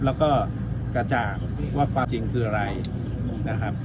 แล้วก็กระจ่างว่าความจริงคืออะไรนะครับ